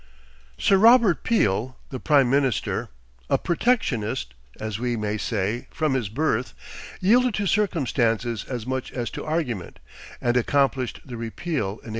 Sir Robert Peel, the prime minister, a protectionist, as we may say, from his birth, yielded to circumstances as much as to argument, and accomplished the repeal in 1846.